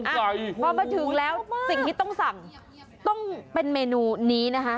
ใหญ่พอมาถึงแล้วสิ่งที่ต้องสั่งต้องเป็นเมนูนี้นะคะ